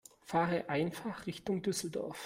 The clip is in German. Fahre einfach Richtung Düsseldorf